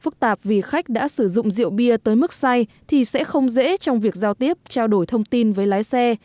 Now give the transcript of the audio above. phức tạp vì khách đã sử dụng rượu bia tới mức say thì sẽ không dễ trong việc giao tiếp trao đổi thông tin với lái xe